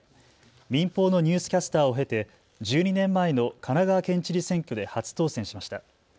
民放のニュースキャスターを経て１２年前の神奈川県知事選挙で初当選しました。